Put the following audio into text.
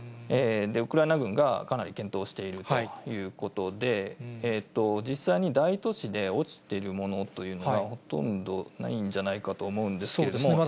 ウクライナ軍がかなり健闘しているということで、実際に大都市で落ちてるものというのが、ほとんどないんじゃないかと思うんですけれども。